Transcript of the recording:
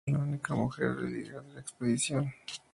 Susan fue la única mujer líder de la expedición.